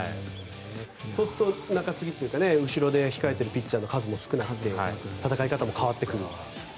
そうすると中継ぎというか後ろで控えているピッチャーも数も少ないので戦い方も変わってくる。